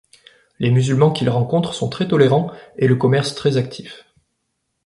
Les musulmans qu'il rencontre sont très tolérants et le commerce très actifs.